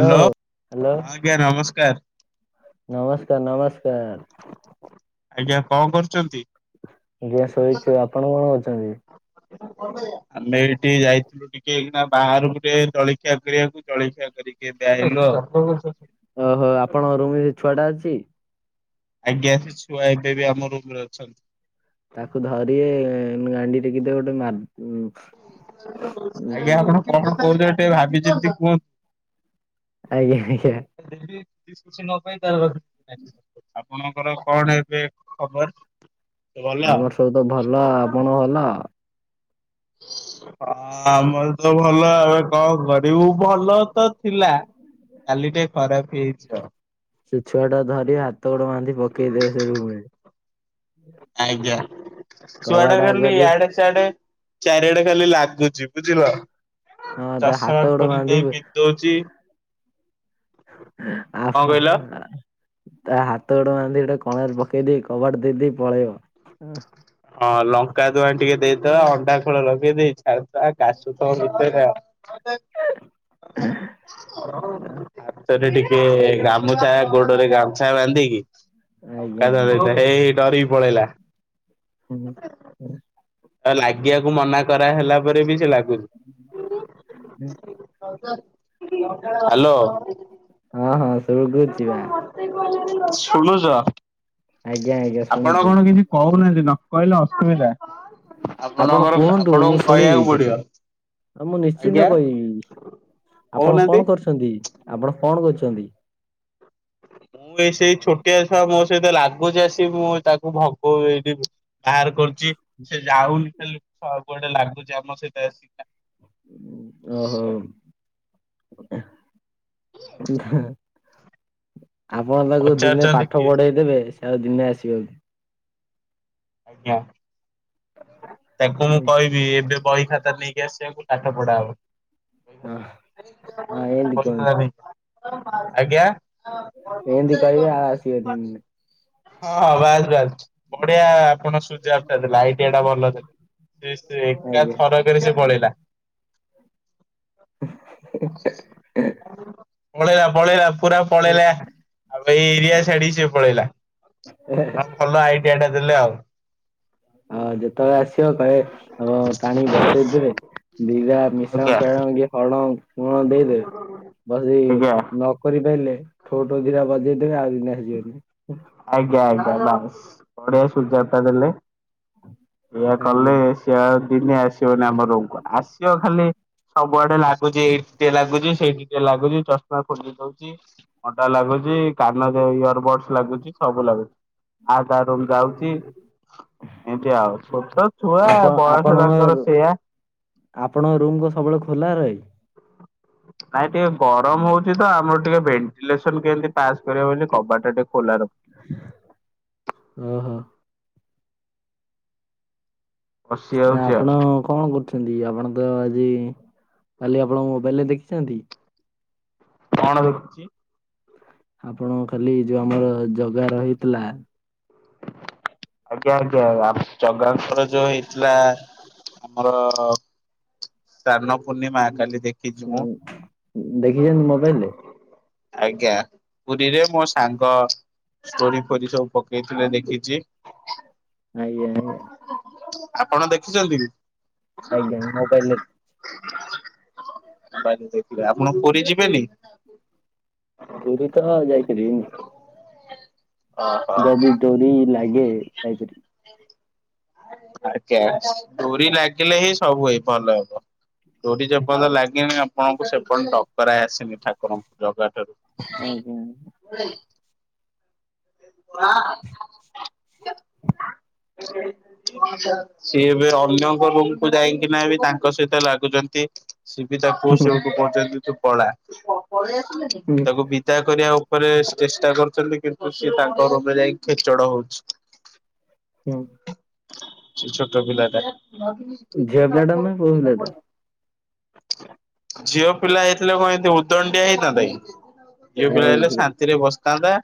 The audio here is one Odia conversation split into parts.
ହ୍ୟାଲୋ ହଁ ଆଞା ନମସ୍କାର୍ ନମସ୍କାର୍ ନମସ୍କ୍ ଆଜ୍ଞା କଣ କରୁଛନ୍ତି। ଆଜ୍ଞା ଶୋଇଛୁ ଆପଣ କଣ କରୁଛନ୍ତି? ଆମେ ଏଠି ଟିକେ ଯାଇ ଥିଲା ଟିକେ ବାହାରାରକୁ ଟିକେ ଜଳଖିଆ କରିବାକୁ ଜଳଖିଆ କରି ଓହୋ ଆପଣଙ୍କ [unintelligible] ରୁମରେ ସେ ଛୁଆ [unintelligible] ଟା ଅଛି ଆଜ୍ଞା ସେ ଛୁଆ ଏବେ ବି ଆମ ରୁମ୍ରେ ଅଛନ୍ତି। ! ! ! ! ! ! ! ! ଆଜ୍ଞା ଆପଣ କଣ କହୁଥିଲେ ଟିକେ ଭାବି ଚିନ୍ତି କୁହନ୍ତୁ। ଆଜ୍ଞା ଆଜ୍ଞା। କିଛି ନ ପାଇଁ ଆପଣଙ୍କର କଣ ଏବେ ଖବର। ଭଲ? ଆମର ସବୁ ତ ଭଲ ଆପଣ ଭଲ। ହଁ। ହଁ ଆମର ତ ଭଲ ଏବେ କଣ କରିବୁ ଭଲ ତ ଥିଲା। କାଲିଟା ଖରାପ ହେଇଛି। ସେ ଛୁଆ ଟା ଧରି ହାତ ଗୋଡ ବାନ୍ଧି ପକେଇଦବେ ସେ ରୁରେ ଆଜ୍ଞା କବାଟ ଶୁଆଡା ଆଗୁଆ ଗଲି ଦେଇ ଇଆଡ଼େ ସଆଡ଼େ ଚାରିଆଡ଼େ ଖାଲି ଲାଗୁଛି ବୁଝିଲ। ହଁ ତା ଚାଷ ହାତ ଗୋଡ ଖୋଲି ପାଇଁ ବାନ୍ଧିବୁ ପି ଦଉଛି ଆ [unintelligible] କଣ କହିଲ? ତା ହାତ ଗୋଡ ବାନ୍ଧି ଗୋଟ କଣରେ ପକେଇଦ କବାଟ ଦେଇକି ପଳେଇବ। ହଁ ଲଙ୍କା ଦୁଆଣି ଟିକେ ଦେଇଦବା ଅଣ୍ଡା ଖୋଳ ଲଗେଇ ଦେଇଛି କାସୁ ଥ ଭିତରେ ଆଉ [unintelligible] ଆ ଟିକେ- ଗାମୁଛା ଗୋଡ଼ରେ ଗାମୁଛା ବାନ୍ଧିକି ଆଜ୍ଞା ଲଙ୍କା ଧରି ଆଜ୍ଞା ଏଇ ଡରି ପଳେଇଲା। ହୁଁ ହୁଁ। ଆ ଲାଗିବାକୁ ମନା କରାହେଲା ରେ ବିି ସେ ଲାଗୁଛି। ହାଲୋ। ହଁ ହଁ ସୁରୁଖୁରୁରେ ଯିବା। ଶୁଣୁଛ ଆଜ୍ଞା ଆଜ୍ଞା ଆପଣ ଶୁଣୁଛି କଣ କିଛି କହୁନାହାନ୍ତି ନ କହିଲେ ଅସୁବିଧା। ଆପଣ ଆପଣଙ୍କର ଆପଣଙ୍କୁ କହିବାକୁ ପଡିବ। ହଁ ମୁଁ ନିଶ୍ଚିନ୍ତ ଆଜ୍ଞା। କହିବି, ଆପଣ କହୁନାହାନ୍ତି। କଣ କରୁଛନ୍ତି? ଆପଣ କଣ କରୁଚନ୍ତି? ମୁଁ ଏ ସେଇ ଛୋଟିଆ ଛୁଆ ମୋ ସହିତ ଲାଗୁଚି ଆସି ମୁଁ ତାକୁ ଭଗଉ ବାହାର କରୁଚି ସେ ଯାଉନି ଖାଲି କୁଆଡେ ଲାଗୁଚି ଆମ ସହିତ ଆସିକ ଓହୋ [inaudible] [inaudible] ଆପଣ ତାକୁ ଦିନେ ପଚାରୁଛନ୍ତି ପାଠ କିଏ? ପଢେଇ ଦେବେ ସେ ଆଉ ଦିନେ ଆସିବନି। ଆଜ୍ଞା ତାଙ୍କୁ ମୁଁ ହଁ କହିବି ଏବେ ବହି ଖାତା ନେ ଆସେ ପାଠ ପଢା ହଁ ଏମିତି ହବ କୁହନ୍ତୁ [unintelligible] ଆଜ୍ଞା। ଏମିତି କହିବେ ଆଉ ଆସିବେନି। ହଁ ବାସ୍ ବାସ୍ ବଢିଆ ଆପଣ [unintelligible] ଆଇଡିଆ ଟା ଭଲ ଥିଲା ସେ ଏକା ଆଜ୍ଞା। ଥର କରକେ ସେ ପଳେଇିଲା। [inaudible] ପଳେଇଲା ପଳେଇଲା ପୁରା ପଳେଇଲା ଏଇ ଏରିଆ ଛାଡିକି ସିଏ ପଳେଇଲା। ଭଲ ଆଇଡିଆ ଟା ଦେଲେ ଆଉ। ହଁ ଯେତେବେଳେ ଆସିବ କହେ ହ ଟାଣିକି ବସେଇ ଦେ ଦିରା ମିଶାଣ ଆଜ୍ଞା ପେଡ଼ାଣ କିଏ ହରଣ କଣ ଦେଇଦେ ବସିକି ଆଜ୍ଞା ନକରି ପା ଲେ ଠୋଠ ଦିଟା ବଜେଇଦବେ ଆଉ ଦିନେ ଆସିଯିବନି। ଆଜ୍ଞା ଆଜ୍ଞା ବାସ୍ ବଢ଼ିଆ ସଯୋଗ୍ ଟା ଦେଲେ। ଏଇଆ କଲେ ଆଜ୍ଞା ସେ ଆଉ ଦିନେ ଆସିବନି ଆମ ରୁମ୍ କୁ ଆସିବ ଖାଲି ସବୁଆଡେ ଲାଗୁଚି ଏଇଠି ଟେ ଲାଗୁଚି ସେଇଠି ଟେ ଲାଗୁଚି ଚଷମା ଖୋଲି ଦୋଉଚି ଅଣ୍ଡା ଲାଗୁଚି। କାନରେ ଇୟର ବଡସ୍ ଲାଗୁଚି ସବୁ ଲାଗୁଚି। ଆଉ କାହା ରୁମ୍ ଯାଉଚି। ଏମିତି ଆଉ ଛୋଟ ଛୁଆ ଆପଣ ବୟସ ଆପଣଙ୍କ ତାଙ୍କର ସେୟା। ଆପଣଙ୍କ ରୁମ୍ କଣ ସବୁବେଳେ ଖୋଲା ରହେ? ନାଇଁ ଟିକେ ଗରମ ହୋଉଚି ତ ଆମର ଟିକେ ଭେଣ୍ଟିଲେସନ କେମିତି ପାସ୍ କରିବ ବୋଲି କବାଟ ଟା ଟିକେ ଖୋଲା ର ଓ ହୋ। ପଶି ଯାଉଛି ଆଉ ଆପଣ କଣ କରୁଚନ୍ତି ଆପଣ ତ ଆଜି ଖାଲି ଆପଣ ମୋବାଇଲରେ ଦେଖିଚନ୍ତି? କଣ ଦେଖୁଚି? ଆପଣ ଖାଲି ଯୋଉ ଆମର ଜଗା ରହିଥିଲା? ଆଜ୍ଞା ଆଜ୍ଞା ଜଗାଙ୍କର ଯୋଉ ହେଇଥିଲା ଆମର ସ୍ନାନପୂର୍ଣ୍ଣିମା କାଲି ଦେଖିଛି ମୁଁ। ଦେଖିଛନ୍ତି ମୋବାଇଲ ରେ? ଆଜ୍ଞା ପୁରୀରେ ମୋ ସାଙ୍ଗ ଷ୍ଟୋରି ଫୋରି ସବୁ ପକେଇଥିଲେ ଦେଖିଚି। ଆଜ୍ଞା ଆଜ୍ଞା। ଆପଣ ଦେଖିଚନ୍ତି? ଆଜ୍ଞା ମୋବାଇଲରେ ବାଲି ଦେଖିଲେ ଆପଣ ପୁରୀ ଯିବେନି? ପୁରୀ ତ ଯାଇଥିଲି। ଓହୋ। ଯଦି ଡୋରି ଲାଗେ ଯାଇପାରିବ। ଆଜ୍ଞା ଡୋରି ଲାଗିଲେ ହିଁ ସବୁ ଏଇ ଭଲ ହବ। ଡୋରି ଯେପର୍ଯ୍ୟନ୍ତ ତ ଲାଗେନି ଆପଣଙ୍କୁ ସେପର୍ଯ୍ୟନ୍ତ ଡକରା ଆସିନି ଠାକୁରଙ୍କ, ଜଗା ଠାରୁ। ଆଜ୍ଞା। [inaudible] ସିଏ ଏବେ ଅନ୍ୟଙ୍କ ରୁମ୍ କୁ ଯାଇକିନା ବି ତାଙ୍କ ସହିତ ଲାଗୁଛନ୍ତି। [inaudible] ତାକୁ ବିଦା କରିବା ଉପରେ ଚେଷ୍ଟା କରୁଛନ୍ତି କିନ୍ତୁ ସିଏ ତାଙ୍କ ରୁମ୍ ରେ ଯାଇ ଖେଚଡ ହଉଛି। ହୁଁ। ସେ ଛୋଟ ପିଲାଟା। ଝିଅ ପିଲାଟା ନା ପୁଅ ପିଲାଟା? ଝିଅ ପିଲା ହେଇଥିଲେ କଣ ଏତେ ଉଦଣ୍ଡିଆ ହେଇଥାନ୍ତା କି? ଝିଅ ପିଲା ହେଲେ ହୁଁ ଶାନ୍ତିରେ ବସିଥାନ୍ତା।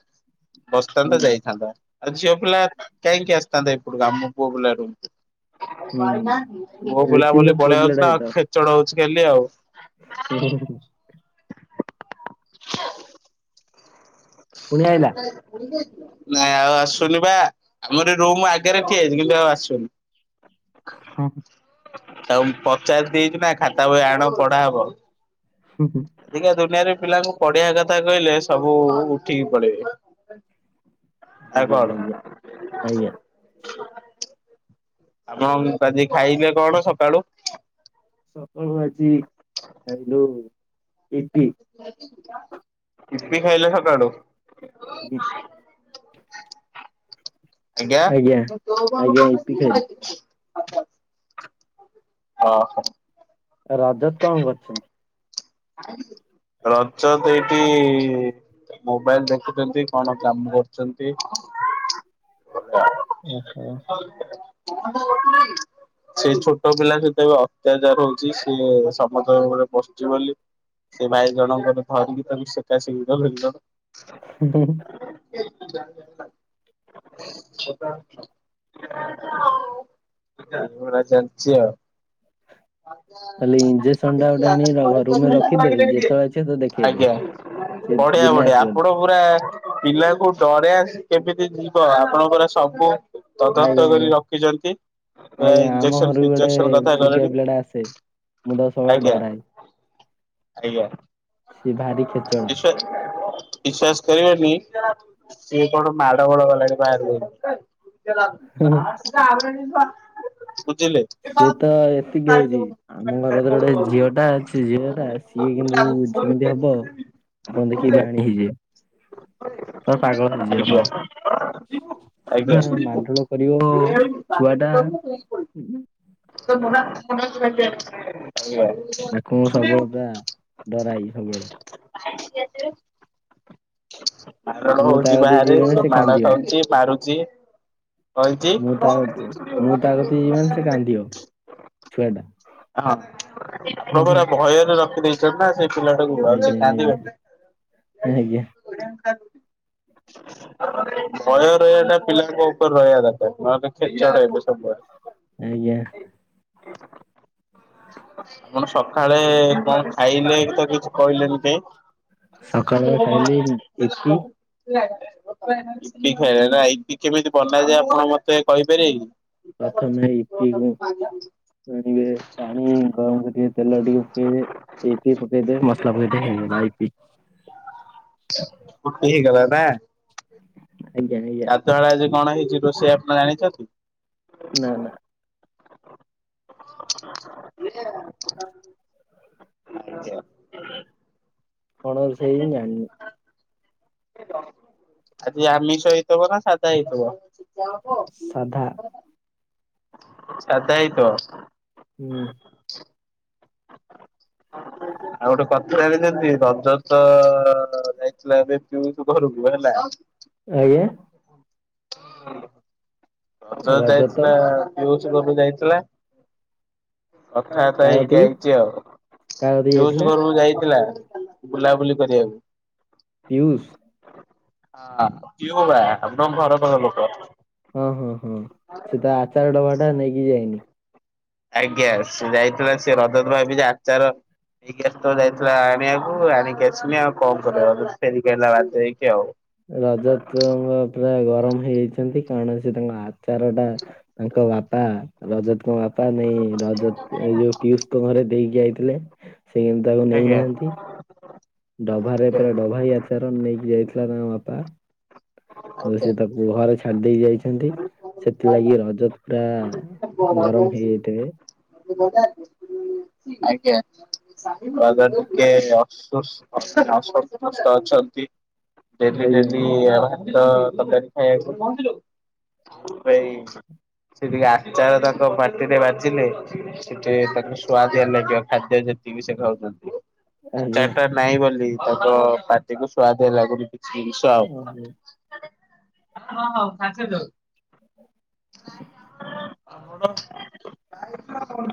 ବସିଥାନ୍ତା ଯାଇଥାନ୍ତା। ଆଉ ଝିଅ ପିଲା କାହିଁକି ଆସିଥାନ୍ତା ଏପଟକୁ ଆମ ପୁଅ ପିଲା ରୁମ୍ ହୁଁ ମୋ ନିଶ୍ଚିନ୍ତ ବୁଲାବୁଲି ପୁଅ ପଳେଇବା କଥା ଖେଚଡ ହଉଛି ଖାଲି ଆଉ। ହଁ। [inaudible] ପୁଣି ଆଇଲା। [inaudible] ନାଇଁ ଆଉ ଆସୁନି ବା ଆମର ରୁମ ଆଗରେ ଠିଆ ହେଇଛି, କିନ୍ତୁ ଆଉ ଆସୁନି। ହଁ। ତାକୁ ପଚାରି ଦେଇକିନା ଖାତା ବହି ଆଣ ପଢା ହବ। ଆଜିକା ଦୁନିଆରେ ପିଲାଙ୍କୁ ପଢ଼ିଆ କଥା କହିଲେ ସବୁ ଉଠିକି ପଳେଇବେ ଆଉ ଆଜ୍ଞା କଣ? ଆଜ୍ଞା ଆଜ୍ଞା। ଆପଣ ଆଜି ଖାଇଲେ କଣ ସକାଳୁ? ସକାଳୁ ଆଜି ଆଇଲୁ ୟିପି। ୟୀପି ଖାଇଲ ସକାଳୁ। [inaudible] ଆଜ୍ଞା ଆଜ୍ଞା ଇପି ଖାଇଲି। [inaudible] ଓହୋ। ରାଜତ କଣ କରୁଛନ୍ତି? ରଜତ ଏଇଠି ମୋବାଇଲ ଦେଖୁଛନ୍ତି। କଣ କାମ କରୁଛନ୍ତି? ଓହୋ [inaudible] ସେଇ ଛୋଟ ପିଲା ସହିତ ଏବେ ଅତ୍ୟାଚାର ହଉଛି ସିଏ ସମସ୍ତଙ୍କ ଉପରେ ବସିୁଛି ବୋଲି। ସେ ଭାଇ ଜଣଙ୍କର ଧରିକି ତାକୁ ସେକାସେକି କରୁଛନ୍ତି [inaudible] [inaudible] ଚାଲିଛି ଆଉ। [inaudible] ତାହଲେ ଇଞ୍ଜେକ୍ସନ ଟା ଗୋଟେ ଆଣି ରୁମରେ [inaudible] ରଖିଦେବେ ଯେତେବେଳେ ଆସିବେ ତ ଦେଖେଇଦେବେ। ଆଜ୍ଞା ସେ ବଢିଆ ଦିନେ ବଢିଆ ଆସିବନି। ଆପଣ ପୁରା ପିଲାକୁ ଡରେଇବା କେମିତି ଯିବ ଆପଣଙ୍କର ସବୁ ତଦନ୍ତ ଆଜ୍ଞା କରି ଆଜ୍ଞା ରଖିଛନ୍ତି। ଆଜ୍ଞା ଆମ ଇଞ୍ଜେକସନ ଘରକୁ ଗୋଟେ ଫିଞ୍ଜେକ୍ସନ୍ କଥା ଛୋଟିଆ କଲେଣି ପିଲା ଟା ଆସେ ମୁଁ ତାକୁ ସବୁବେଳେ ଆଜ୍ଞା। ଡରାଏ। ଆଜ୍ଞା। ସିଏ ଭାରି ଖେଚଡ଼। ବିଶ୍ୱାସ କରିବେନି ସିଏ କଣ ମାଡ ଗୋଳ କଲାଣି ବାହାରକୁ ଯାଇକି। [inaudible] ସିଏ ତ ଏତିକି ହଉଛି ଆମ ଘରର ଗୋଟେ ଝିଅ ଟା ଅଛି ଝିଅ ସିଏ କିନ୍ତୁ ଯେମିତି ହବ ଆପଣ ଦେଖକି ବାୟା ହେଇଯିବେ। ପୁରା ପାଗଳ ହେଇଯିବେ ଆପଣ। ଆଜ୍ଞା। ଆଜ୍ଞା। ପୁରା ମାଡ଼ଗୋଳ କରିବ ଛୁଆ ଟା ତାକୁ [inaudible] [inaudible] ତାକୁ ମୁଁ ସବୁବେଳେ ପୁରା ଡରାଏ ସବୁବେଳେ। [unintelligible] ମାରଣ ମୁଁ ତା ହୋଉଛି କତିକି ବାହାରେ ଯିବି ମାନେ ସସୋ ସେ ମାଡ କାନ୍ଦିବ ଖାଉଛି ମାରୁଛି। କହିଚି। ମୁଁ ତା ହଁ କତି ମୁଁ ତା କତିକି ଯିବି ମାନେ ସେ କାନ୍ଦିବ ଛୁଆଟା ହୁଁ ହୁଁ। ପରା ଭୟରେ ରଖିଦେଇଛନ୍ତି ନା ସେ ଚିଲା ତାକୁ ଆଉ ସେ ଆଜ୍ଞା ଆଜ୍ଞା କାନ୍ଦିବନି। ଆଜ୍ଞା ଭୟ ରହିବା ଟା ପିଲାଙ୍କ ଉପରେ ରହିବା ଦରକାର ନହେଲେ ଠିକ୍ ରହିବେ ସବୁ ଭୟ ଆଜ୍ଞା। ହ ଆପଣ ସକାଳେ କଣ ଖାଇଲେ ତ କିଛି କହିଲେନି କେଇ ସକାଳୁ ବା ଖାଇଲି ଇପି [unintelligible] ଇ ଖାଇବା ଏଟା ଇ କେମିତି ବନା ଯାଏ ଆପଣ ମତେ କହିପାରିବେ କି? ପ୍ରଥମେ ଇପି କୁ ଆଣିବେ ପାଣି ଗ ତା ଉପରେ ତେଲ ଟିକେ ପକେଇବେ ଇପି ପକେଇଦେବେ ମସଲା ପକେଇଦେବେ ହେଇଗଲା ଇପି। ଇପି ହେଇଗଲା ନା। ଆଜ୍ଞା ଆଜ୍ଞା। ଗାଧୁଆଳ ଆଜି କଣ ହେଇଛି ରୋଷେଇ ଆପଣ ଜାଣିଛନ୍ତି। ନା ନା। ଇଏ ଆଚ୍ଛା। କଣ ସେଇ ଜାଣିନୁ। ଆଜି ଆମିଷ ହେଇଥିବ ନା ସାଧା ହେଇଥିବ। ସାଧା ସାଧା ହେଇଥିବ। ହୁଁ। ଆଉ ଗୋଟେ କଥା ଜାଣିଛନ୍ତି ରଜ ତ ଯାଇଥିଲା ଏବେ ପିଉ ତୁ ଘରକୁ। ଇପି ହେଲା। ଆଜ୍ଞା। ବଜାର ରଜ ତ ଯାଇଥିଲା ଯୋଉ କିଏ ଏବେ ଗୋଟେ ଯାଇଥିଲା ରଥଯାତ୍ରା କାହା ଏଇଟା କତିକି ଏଇ ଆଚି ଆଉ କାହା କତିକି ଯୋଉସଲ ଯାଇଥିଲା ଘରକୁ ଯାଇଥିଲା ବୁଲାବୁଲି କରିବାକୁ। ପିୟୁଷ୍। ହଁ କିଓ ବା ଏକ୍ ଦମ୍ ଭର ଭର ଲୋକ। ହଁ ହଁ ହଁ ସେ ତ ଆଚାର ଡବା ଟା ନେଇକି ଯାଇନି। ଆଜ୍ଞା ସେ ଯାଇଥିଲା ସେ ରଜଦିନ ଭାବି ଯେ ଆଚାର ଏଇ ଗ୍ୟାସ୍ ତ ଯାଇଥିଲା ଆଣିବାକୁ ଆଣିକି ଆସିନି ଆଉ କଣ କରିବା ସେ କହିଲ ବା ହେଇକି ଆଉ। ରଜା ତ ପୁରା ଗରମ ହେଇଯାଇଛନ୍ତି କାରଣ ସେ ତାଙ୍କ ଆ ତାର ଟା ତାଙ୍କ ବାପା ରଜତଙ୍କ ବାପ୍ ବାପା ନାଇଁ ରଜତ ଏଇ ଯୋଉ ପିୟୁଷଙ୍କ ଘରେ ଦେଇକି ଆଇଥିଲେ। ସେ କେମିତି ତାକୁ ଆଜ୍ଞା ନେଇନାହାନ୍ତି। ଡଭାରେ ପୁରା ଡଭା ହିଁ ଆଚରଣ ନେଇକି ଯାଇଥିଲା ତାଙ୍କ ବାପା। ଆଜ୍ଞା ସେ ଆଜ୍ଞା। ତାକୁ ଘରେ ଛାଡି ଦେଇେଇ ଯାଇଛନ୍ତି ସେଥିଲାଗି ରଜତ୍ ପୁରା ଗରମ ହେଇଯାଇଥିବେ। ସେ ଯୋଉଟା [unintelligible] ଆଜ୍ଞା। ଦାଦା ଟିକେ ଅପ୍ ସୁସ୍ ଅସସ୍ ଅଛନ୍ତି। ଡେଲି ଆଜ୍ଞା ଡେଲି ୟା ମାଛ ତରକାରୀ ଖାଇବାକୁ ସେଇ ସେ ଟିକେ ଆଚାର ତାଙ୍କ ପାଟିରେ ବାଜିଲେ ସେ ଟେ ତାଙ୍କ ସୁଆଦିଆ ଲାଗିବ ଖାଦ୍ୟ ଯେ ବି ସେ ଖାଉଛନ୍ତି ଆଜ୍ଞା ଆଚାରଟା ନହିଁ ବୋଲି ତାଙ୍କ ପାଟିକୁ ସୁଆଦ ହେଲାଗୁନି। ହଁ ହଁ ସାଙ୍ଗେ ଆଜ୍ଞା ସାଙ୍ଗେ ଯାଉଛୁ।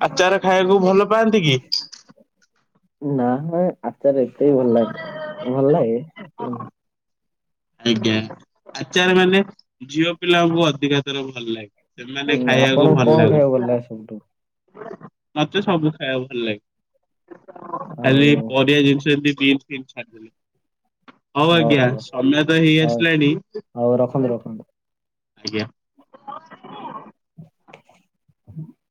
ଆଚାର ଖାଇବାକୁ ଭଲ ପାଆନ୍ତି କି? ନାଁ ନାହିଁ ଆଚାର ଏତେ ଭଲ ଲାଗେନା, ଭଲ ଲାଗେ ଏତେ ନୁହଁ। ଆଜ୍ଞା। ଆଚାର ମାନେ ଝିଅପିଲାଙ୍କୁ ଅଧିକା ଆଚାର ଭଲ ଲାଗେ। ସେମାନେ ହୁଁ ଖାଇବାକୁ ଆପଣଙ୍କୁ ଭଲ କଣ ଲାଗୁ ଖାଇବାକୁ ଭଲ ଲାଗେ ସବୁଠୁ? ମତେ ସବୁ ଖାଇବା ଭଲ ଲାଗେ। ଖାଲି ଆଉ ପରିବା ଜିନିଷ ଏମତି [unintelligible] ଛାଡ଼ିଦେଲି ହଉ ଆଜ୍ଞା। ଓହୋ ସମୟ ତ ହେଇ ହଉ ଆସିଲାଣି, ହଉ ରଖନ୍ତୁ ରଖନ୍ତୁ। ଆଜ୍ଞା। ହ